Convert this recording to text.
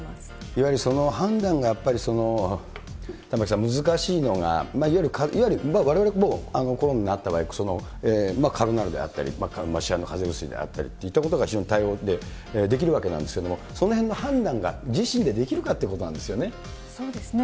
いわゆる判断がやっぱり、玉城さん、難しいのが、いわゆる、われわれもう、コロナになった場合、カロナールであったり、市販の風邪薬であったりっていうことで非常に対応できるわけなんですけれども、そのへんの判断が自身でできるかということなんでそうですね。